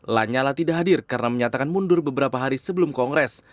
lanyala tidak hadir karena menyatakan mundur beberapa hari sebelum kongres